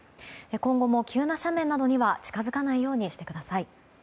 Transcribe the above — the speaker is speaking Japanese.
今後も急な斜面などには近づかないようにしてください。